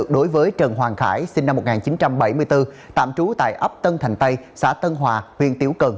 đối với trần hoàng khải sinh năm một nghìn chín trăm bảy mươi bốn tạm trú tại ấp tân thành tây xã tân hòa huyện tiểu cần